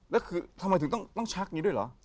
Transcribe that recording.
แล้วคือทำไมถึงต้องชักอย่างนี้ด้วยเหรอ